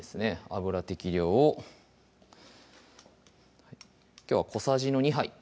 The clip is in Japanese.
油適量をきょうは小さじの２杯